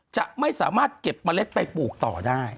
จะไม่สามารถเก็บเมล็ดไปปลูกต่อได้